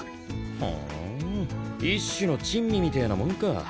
ふん一種の珍味みてえなもんか。